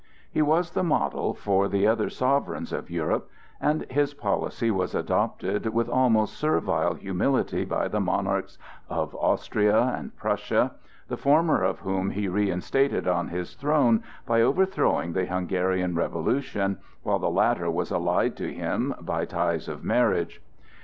He was the model for the other sovereigns of Europe, and his policy was adopted with almost servile humility by the monarchs of Austria and Prussia, the former of whom he reinstated on his throne by overthrowing the Hungarian revolution, while the latter was allied to him by ties of marriage.